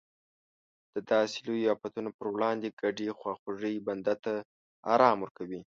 د داسې لویو افتونو پر وړاندې ګډې خواخوږۍ بنده ته ارام ورکوي.